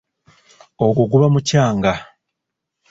Ogwo guba mucanga.